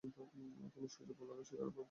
তিনি সহজেই বোলারের শিকারে পরিণত হতেন।